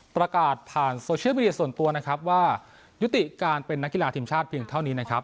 ประกาศผ่านโซเชียลมีเดียส่วนตัวนะครับว่ายุติการเป็นนักกีฬาทีมชาติเพียงเท่านี้นะครับ